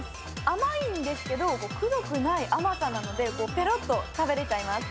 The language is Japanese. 甘いんですけど、くどくない甘さなのでペロッと食べられちゃいます。